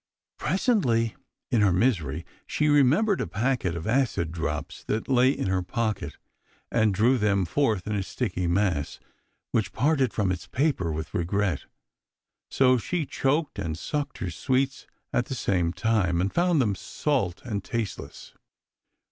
Presently, in her misery, she remembered a packet of acid drops that lay in her pocket, and drew them forth in a sticky mass, which parted from its paper with regret. So she choked and sucked her sweets at the same time, and found them salt and tasteless.